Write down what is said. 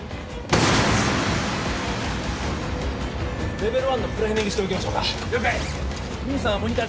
レベル１のプライミングしておきましょうか了解ミンさんモニター